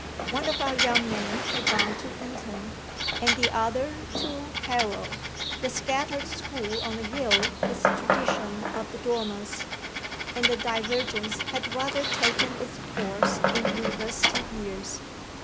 One of our young men had gone to Eton and the other to Harrow the scattered school on the hill was the tradition of the Dormers and the divergence had rather taken its course in university years.